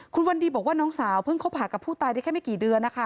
คุณวันดีบอกว่าน้องสาวเพิ่งคบหากับผู้ตายได้แค่ไม่กี่เดือนนะคะ